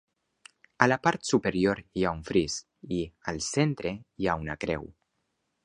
A la part superior hi ha un fris i, al centre, hi ha una creu.